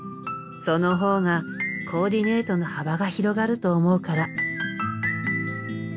その方がコーディネートの幅が広がると思うから。